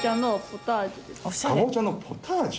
かぼちゃのポタージュ？